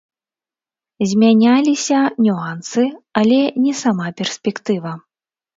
Змяняліся нюансы, але не сама перспектыва.